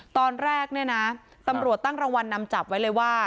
ตอนแรกเนี่ยนะตำรวจตั้งรางวัลนำจับไว้เลยว่า